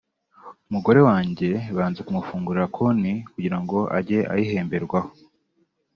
umugore wanjye banze kumufungurira konti kugira ngo ajye ayihemberwaho